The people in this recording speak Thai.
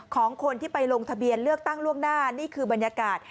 ของคนที่ไปลงทะเบียนเลือกตั้งล่วงหน้านี่คือบรรยากาศ